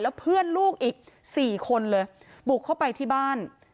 เพื่อนลูกอีก๔คนเลยบุกเข้าไปที่บ้าน